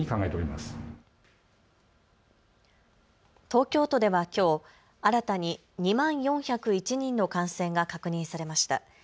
東京都ではきょう、新たに２万４０１人の感染が確認されました。